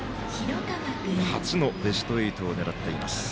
初のベスト８を狙っています。